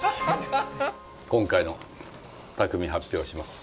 今回の匠発表します。